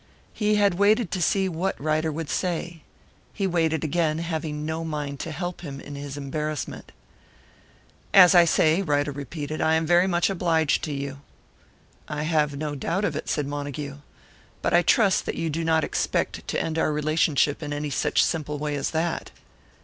He had waited to see what Ryder would say. He waited again, having no mind to help him in his embarrassment. "As I say," Ryder repeated, "I am very much obliged to you." "I have no doubt of it," said Montague. "But I trust that you do not expect to end our relationship in any such simple way as that."